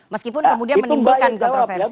meskipun kemudian menimbulkan kontroversi